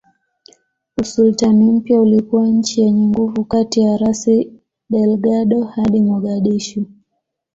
Usultani mpya ulikuwa nchi yenye nguvu kati ya Rasi Delgado hadi Mogadishu